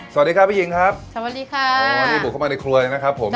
สวัสดีครับพี่หญิงครับสวัสดีค่ะโอ้นี่บุกเข้ามาในครัวเลยนะครับผม